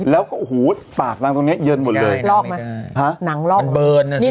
แล้วก็หูปากน้ำเย็นหมดเลย